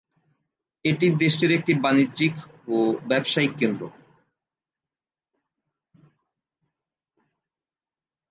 এটি দেশটির একটি বাণিজ্যিক ও ব্যবসায়িক কেন্দ্র।